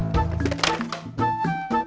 terus jalan ke dapur